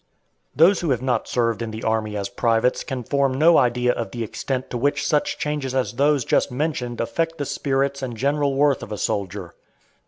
Those who have not served in the army as privates can form no idea of the extent to which such changes as those just mentioned affect the spirits and general worth of a soldier.